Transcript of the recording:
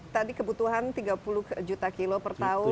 tadi kebutuhan tiga puluh juta kilo per tahun